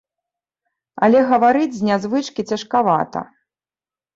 Але гаварыць з нязвычкі цяжкавата.